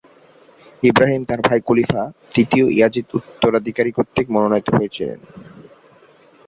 ইবরাহিম তার ভাই খলিফা তৃতীয় ইয়াজিদ কর্তৃক উত্তরাধিকারী মনোনীত হয়েছিলেন।